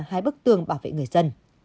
hai bức tường bảo vệ người dân